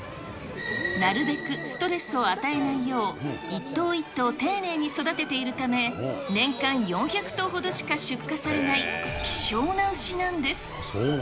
なるべくストレスを与えないよう、一頭一頭丁寧に育てているため、年間４００頭ほどしか出荷されない希少な牛なんです。